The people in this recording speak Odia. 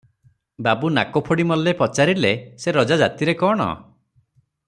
ବାବୁ ନାକଫୋଡି ମଲ୍ଲେ ପଚାରିଲେ-ସେ ରଜା ଜାତିରେ କଣ?